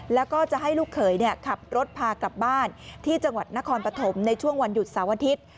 แล้วก็จะให้ลูกเขยขับรถพากลับบ้านที่จังหวัดนครปฐมในช่วงวันหยุดเสาร์อาทิตย์